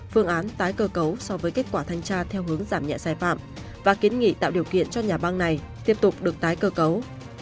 phương án tái cơ cấu so với kết quả thanh tra theo hướng giảm nhẹ sai phạm và kiến nghị tạo điều kiện cho nhà băng này tiếp tục được tái cơ cấu